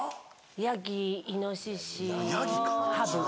ヤギイノシシハブ。